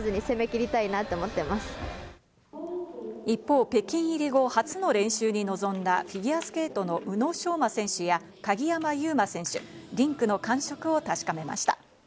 一方、北京入り後、初の練習に臨んだフィギュアスケートの宇野昌磨選手や鍵山優真選手、リンクの感触を確かめました。